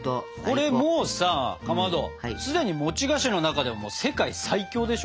これもうさかまど既に菓子の中でも世界最強でしょ。